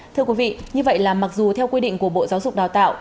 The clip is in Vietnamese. thưa quý vị như vậy là mặc dù theo quy định của bộ giáo dục đào tạo